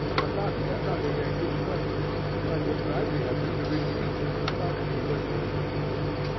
Akaky Akakiyevich felt this, and would gladly have beat a retreat, but he was in for it.